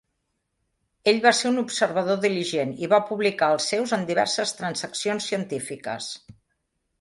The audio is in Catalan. Ell va ser un observador diligent i va publicar els seus en diverses transaccions científiques.